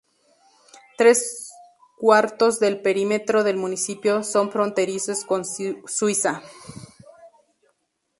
Tres cuartos del perímetro del municipio son fronterizos con Suiza.